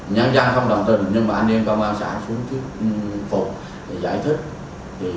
nhân dân không đồng tình nhưng mà anh em công an xã phổ giải thích